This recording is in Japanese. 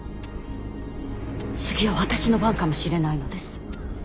次は私の番かもしれないのです。